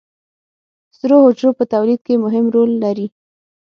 سرو حجرو په تولید کې مهم رول لري